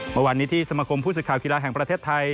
เมื่อวานนี้ที่สมคมผู้สื่อข่าวกีฬาแห่งประเทศไทย